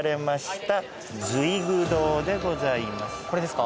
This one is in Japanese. これですか？